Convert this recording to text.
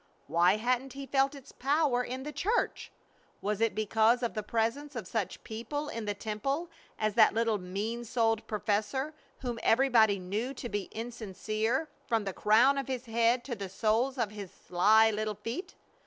Why hadn't he felt its power in the church? Was it because of the presence of such people in the temple as that little mean souled professor, whom everybody knew to be insincere from the crown of his head to the soles of his sly little feet?